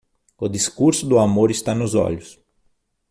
O discurso do amor está nos olhos.